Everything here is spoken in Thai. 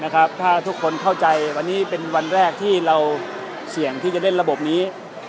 ถ้าทุกคนเข้าใจวันนี้เป็นวันแรกที่เราเสี่ยงที่จะเล่นระบบนี้